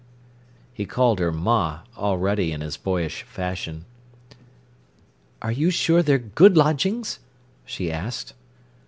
He called her "ma" already in his boyish fashion. "Are you sure they're good lodgings?" she asked.